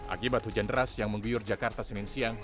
akibat hujan deras yang mengguyur jakarta senin siang